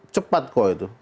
cepat kok itu